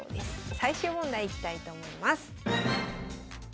最終問題いきたいと思います。